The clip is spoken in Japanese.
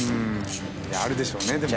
あるでしょうねでも。